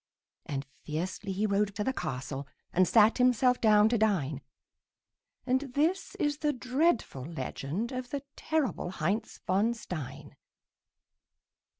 And fiercely he rode to the castle And sat himself down to dine; And this is the dreadful legend Of the terrible Heinz von Stein.